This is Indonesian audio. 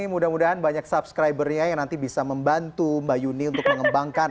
mudah mudahan banyak subscribernya yang nanti bisa membantu mbak yuni untuk mengembangkan